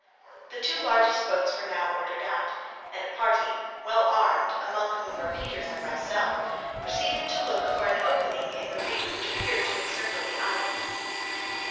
The two largest boats were now ordered out, and a party, well armed (among whom were Peters and myself), proceeded to look for an opening in the reef which appeared to encircle the island.